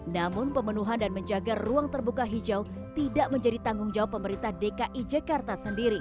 namun pemenuhan dan menjaga ruang terbuka hijau tidak menjadi tanggung jawab pemerintah dki jakarta sendiri